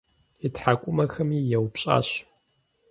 И тхьэкӏумэхэми еупщӏащ.